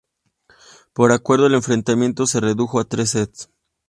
Por acuerdo el enfrentamiento se redujo a tres sets.